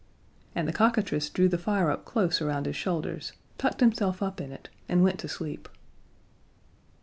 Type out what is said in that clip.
And the cockatrice drew the fire up close around his shoulders, tucked himself up in it, and went to sleep.